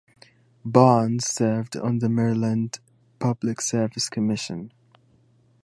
Barnes served on the Maryland Public Service Commission.